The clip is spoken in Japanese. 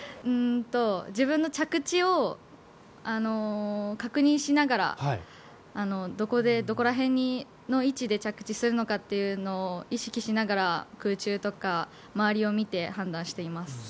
自分の着地を確認しながらどこら辺の位置で着地するのかというのを意識しながら空中とか、周りを見て判断しています。